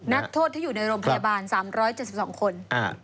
นักโทษที่อยู่ในโรงพยาบาล๓๗๒คน